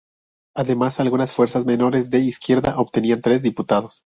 Además algunas fuerzas menores de izquierda obtenían tres diputados.